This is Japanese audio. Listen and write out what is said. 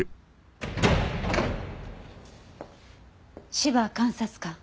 芝監察官。